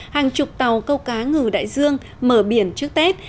hàng chục tàu câu cá ngừ đại dương mở biển trước tết